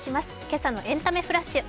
今朝のエンタメフラッシュ。